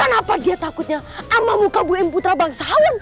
kenapa dia takutnya sama muka buim putra bangsawan